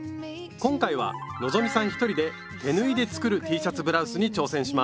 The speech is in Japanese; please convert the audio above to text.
今回は希さん一人で「手縫いで作るＴシャツブラウス」に挑戦します。